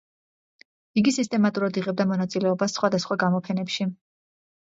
იგი სისტემატურად იღებდა მონაწილეობას სხვადასხვა გამოფენებში.